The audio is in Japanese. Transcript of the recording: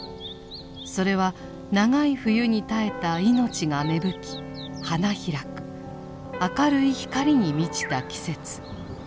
それは長い冬に耐えた命が芽吹き花開く明るい光に満ちた季節。